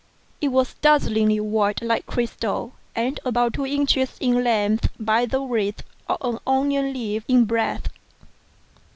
It was dazzlingly white like crystal, and about two inches in length by the width of an onion leaf in breadth.